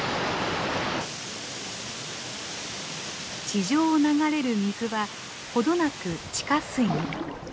地上を流れる水は程なく地下水に。